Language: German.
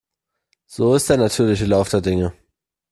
So ist der natürliche Lauf der Dinge.